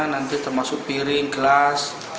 nanti termasuk piring gelas